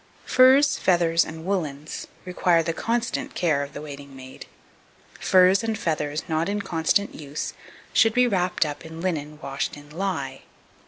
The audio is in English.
2284. Furs, Feathers, and Woollens require the constant care of the waiting maid. Furs and feathers not in constant use should be wrapped up in linen washed in lye.